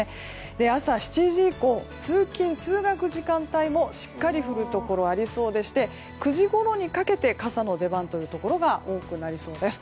朝７時以降通勤・通学時間帯もしっかり降るところがありそうでして９時ごろにかけて傘の出番というところが多くなりそうです。